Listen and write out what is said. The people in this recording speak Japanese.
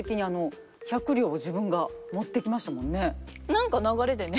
何か流れでね。